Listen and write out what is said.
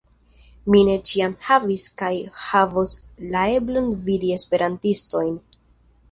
Mi ne ĉiam havis kaj havos la eblon vidi Esperantistojn.